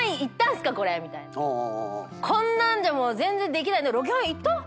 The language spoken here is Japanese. こんなんじゃもう全然できないロケハン行った？